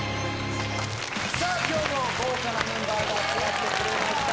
さあ今日も豪華なメンバーが集まってくれました